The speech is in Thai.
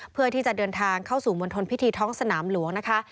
เพื่อที่จะเดินทางเข้าสู่มณฑลพิธีท้องสนามหลวงนะคะ